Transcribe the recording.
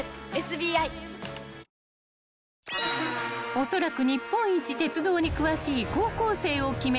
［おそらく日本一鉄道に詳しい高校生を決める